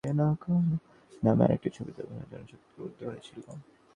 আরিফিন শুভর সঙ্গে ওয়ার্নিং নামের আরেকটি ছবিতে অভিনয়ের জন্য চুক্তিবদ্ধ হয়েছি।